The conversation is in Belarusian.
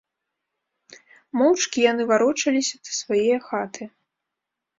Моўчкі яны варочаліся да свае хаты.